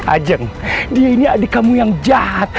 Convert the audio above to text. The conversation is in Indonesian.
ajeng dia ini adik kamu yang jahat